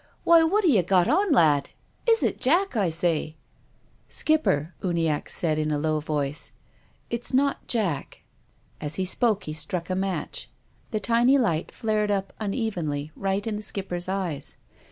" Why, what 'a ye got on, lad ? Is it Jack, I say ?"" Skipper," Uniacke said, in a low voice, "it's not Jack." As he spoke he struck a match. The tiny light flared up unevenly right in the Skipper's eyes.